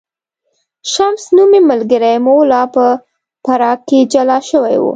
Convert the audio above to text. شمس نومی ملګری مو لا په پراګ کې جلا شوی و.